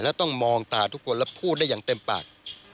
และต้องมองตาทุกคนและพูดได้อย่างเต็มปาก